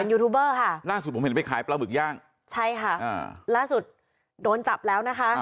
ยูทูบเบอร์ค่ะล่าสุดผมเห็นไปขายปลาหมึกย่างใช่ค่ะอ่าล่าสุดโดนจับแล้วนะคะ